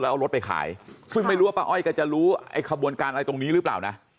เอารถไปขายซึ่งไม่รู้ว่าป้าอ้อยก็จะรู้ไอ้ขบวนการอะไรตรงนี้หรือเปล่านะ